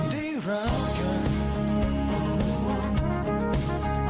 ได้รักกัน